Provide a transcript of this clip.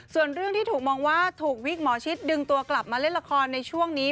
ส่วนเรื่องที่ถูกมองว่าถูกวิกหมอชิดดึงตัวกลับมาเล่นละครในช่วงนี้